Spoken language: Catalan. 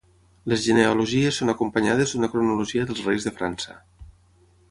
Les genealogies són acompanyades d'una cronologia dels reis de França.